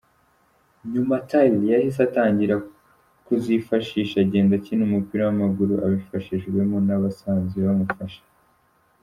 Nyuma Tyler yahise atangira kuzifashisha agenda akina umupira w’amaguru abifashijwemo n’abasanzwe bamufasha.